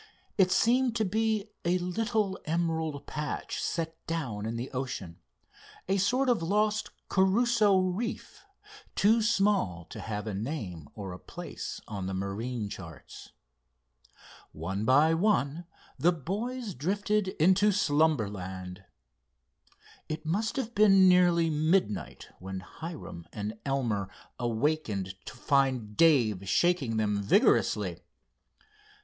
It seemed to be a little emerald patch set down in the ocean, a sort of lost Crusoe reef, too small to have a name or a place on the marine charts. One by one the boys drifted into slumberland. It must have been nearly midnight when Hiram and Elmer awakened to find Dave shaking them vigorously.